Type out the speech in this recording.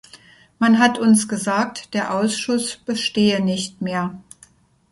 Man hat uns gesagt, der Ausschuss bestehe nicht mehr.